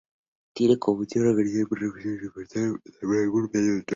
Tiene como función organizar conjuntos de recursos de información por medio de una ontología.